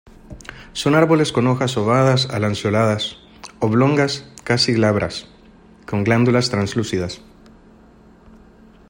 Son árboles con hojas ovadas a lanceoladas, oblongas, casi glabras, con glándulas translúcidas.